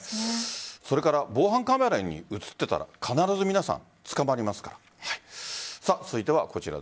それから防犯カメラに映っていたら必ず皆さん、捕まりますから。